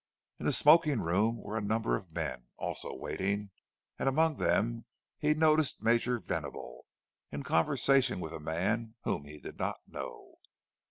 In the smoking room were a number of men, also waiting; and among them he noticed Major Venable, in conversation with a man whom he did not know.